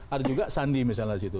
ada juga sandi misalnya disitu